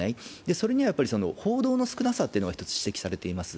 それには報道の少なさというのが一つ、指摘されています。